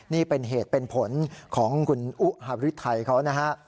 นี่เป็นเหตุเป็นผลของคุณอุฮาริไทยเขานะฮะ